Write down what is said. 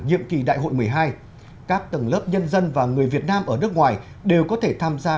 nhiệm kỳ đại hội một mươi hai các tầng lớp nhân dân và người việt nam ở nước ngoài đều có thể tham gia